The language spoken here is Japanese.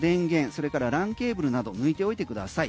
それからＬＡＮケーブルなどを抜いておいてください。